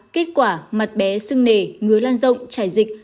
kết quả mặt bé xưng nề ngứa lan rộng chảy dịch